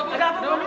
ada apa bu